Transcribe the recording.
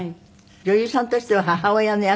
女優さんとしては母親の役が多い？